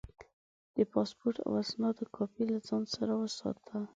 د پاسپورټ او اسنادو کاپي له ځان سره وساته.